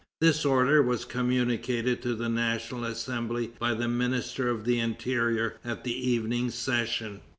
This order was communicated to the National Assembly by the Minister of the Interior at the evening session.